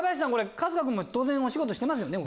春日君も当然お仕事してますよね？